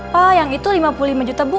pak yang itu lima puluh lima juta bu